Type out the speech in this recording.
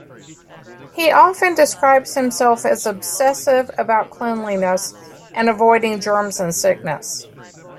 He often describes himself as obsessive about cleanliness, and avoiding germs and sickness.